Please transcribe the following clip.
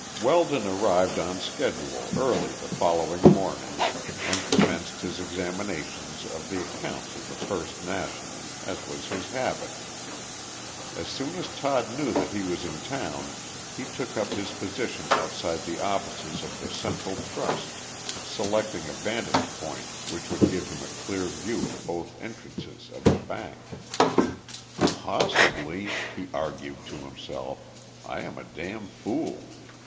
Weldon arrived on schedule early the following morning, and commenced his examination of the accounts of the First National, as was his habit. As soon as Todd knew that he was in town he took up his position outside the offices of the Central Trust, selecting a vantage point which would give him a clear view of both entrances of the bank. "Possibly," he argued to himself, "I am a damn fool.